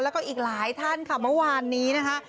แล้วก็อีกหลายท่านค่ะเมื่อวานนี้นะคะ